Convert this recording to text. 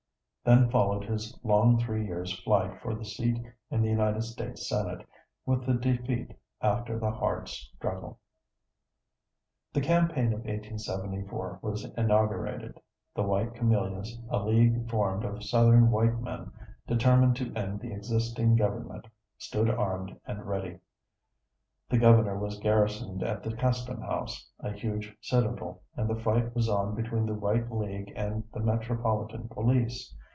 Then followed his long three years' fight for the seat in the United States Senate, with the defeat after the hard struggle. The campaign of 1874 was inaugurated. The White Camelias, a league formed of Southern white men, determined to end the existing government, stood armed and ready. The Governor was garrisoned at the Custom house, a huge citadel, and the fight was on between the White League and the Metropolitan Police.